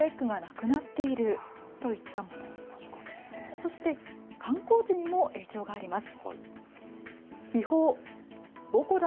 そして観光地にも影響が出ます。